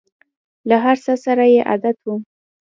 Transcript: له هر څه سره یې عادت وم !